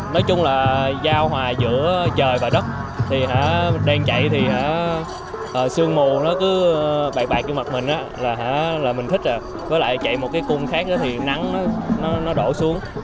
nói chung là giao hòa giữa trời và đất đang chạy thì xương mù nó cứ bạc bạc như mặt mình là mình thích rồi với lại chạy một cái cung khác thì nắng nó đổ xuống